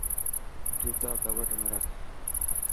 جوتا ڪٻٽ ۾ رک.